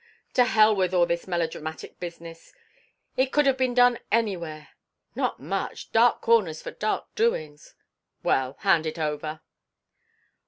"To hell with all this melodramatic business. It could have been done anywhere " "Not much. Dark corners for dark doings." "Well, hand it over."